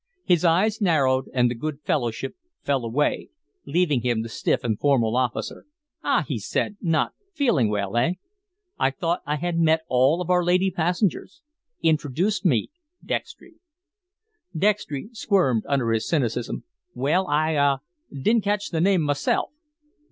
His eyes narrowed, and the good fellowship fell away, leaving him the stiff and formal officer. "Ah," he said, "not feeling well, eh? I thought I had met all of our lady passengers. Introduce me, Dextry." Dextry squirmed under his cynicism. "Well I ah didn't catch the name myself."